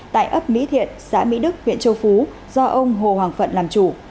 tại ấp mỹ thiện xã mỹ đức huyện châu phú do ông hồ hoàng phượn làm chủ